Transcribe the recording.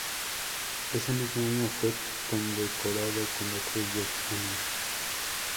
Ese mismo año fue condecorado con la Cruz de Honor.